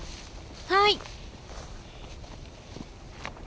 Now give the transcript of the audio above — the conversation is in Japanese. はい。